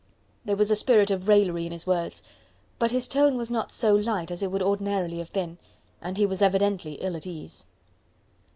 There was a spirit of raillery in his words, but his tone was not so light as it would ordinarily have been, and he was evidently ill at ease.